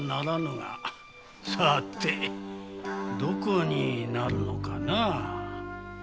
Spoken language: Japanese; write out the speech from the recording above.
さてどこになるのかな。